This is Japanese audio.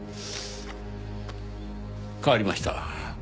代わりました。